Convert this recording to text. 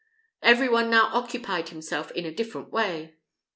Every one now occupied himself in a different way.